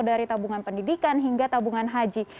dari tabungan pendidikan hingga tabungan haji